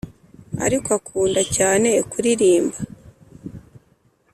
ariko akunda cyane kuririmba